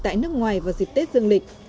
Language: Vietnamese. tại nước ngoài vào dịch tết dương lịch